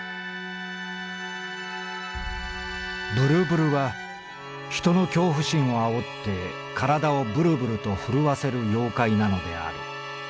「震々は人の恐怖心をあおって体をぶるぶると震わせる妖怪なのである」。